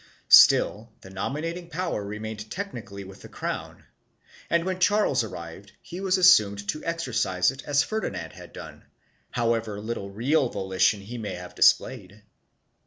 2 Still, the nominat ing power remained technically with the crown and, when Charles arrived, he was assumed to exercise it as Ferdinand had done, however little real volition he may have displayed.